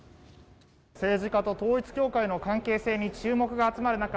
「政治家と統一教会の関係に注目が集まる中